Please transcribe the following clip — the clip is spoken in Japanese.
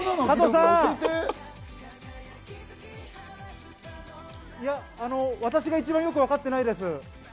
加藤さん、私が一番よくわかってないです。